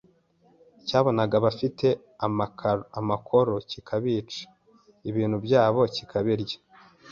Cyabonaga abafite amakoro kika bica ibintu byabo kikabirya